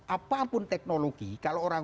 apapun teknologi kalau orang